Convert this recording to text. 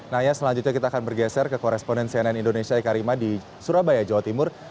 nanya selanjutnya kita akan bergeser ke koresponen cnn indonesia eka rima di surabaya jawa timur